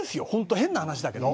変な話だけど。